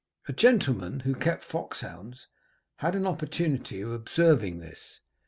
A gentleman who kept foxhounds had an opportunity of observing this.